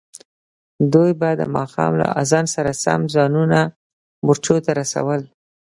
دوی به د ماښام له اذان سره سم ځانونه مورچو ته رسول.